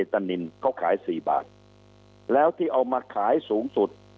ตานินเขาขาย๔บาทแล้วที่เอามาขายสูงสุด